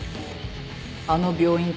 あの病院から。